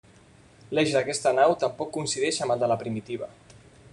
L'eix d'aquesta nau tampoc coincideix amb el de la primitiva.